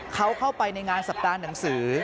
เขาเข้าไปในงานสัปดาห์หนังสือ